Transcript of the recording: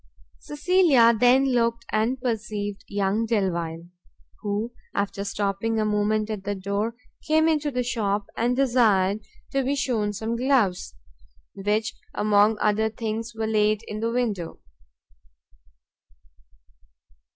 Cecilia then looked and perceived young Delvile! who, after stopping a moment at the door, came into the shop, and desired to be shewn some gloves, which, among other things, were laid in the window.